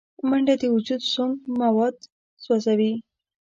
منډه د وجود سونګ مواد سوځوي